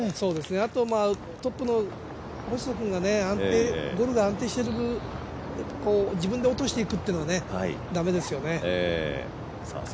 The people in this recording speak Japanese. あと星野君がゴルフが安定している、自分で落としていくっていうのはだめですよね。